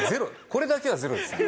これだけはゼロですね。